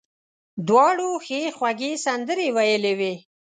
دواړو ښې خوږې سندرې ویلې وې.